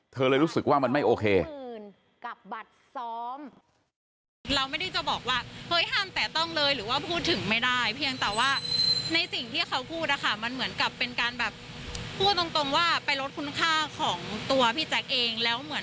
เธอเลยรู้สึกว่ามันไม่โอเค